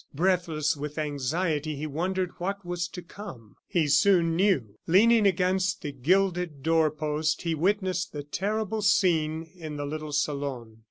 Breathless with anxiety, he wondered what was to come. He soon knew. Leaning against the gilded door post, he witnessed the terrible scene in the little salon.